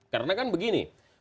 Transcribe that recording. karena kan begini